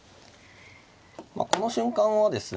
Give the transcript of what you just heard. この瞬間はですね